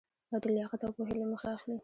دا د لیاقت او پوهې له مخې اخلي.